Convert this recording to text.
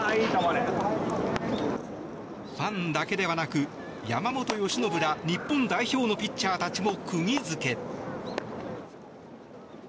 ファンだけではなく山本由伸ら日本代表のピッチャーたちも釘付け。